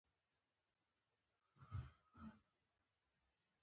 پښتون ژغورني غورځنګ د يو لوی قوت په څېر راڅرګند شو.